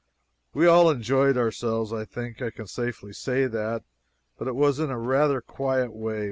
We all enjoyed ourselves I think I can safely say that, but it was in a rather quiet way.